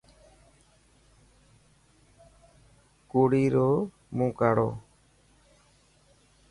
ڪوڙي رو مون ڪاڙو.